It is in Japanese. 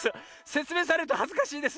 せつめいされるとはずかしいです。